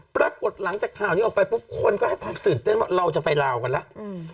ปรากฏหลังจากข่าวนี้ออกไปปุ๊บคนก็ให้ความตื่นเต้นว่าเราจะไปลาวกันแล้ว